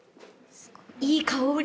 いい香り。